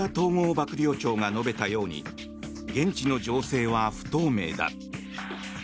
幕僚長が述べたように現地の情勢は不透明だ。